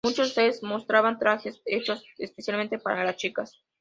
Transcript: Muchos sets mostraban trajes hechos especialmente para las chicas.